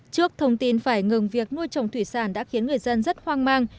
trước thông tin phải ngừng việc nuôi trồng thủy sản đã khiến người dân rất hoang mang